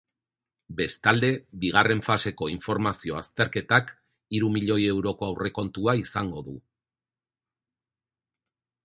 Bestalde, bigarren faseko informazio azterketak hiru milioi euroko aurrekontua izango du.